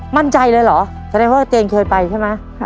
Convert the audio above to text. มั่นใจเลยเหรอจะได้ว่าเตรียมเคยไปใช่มั้ย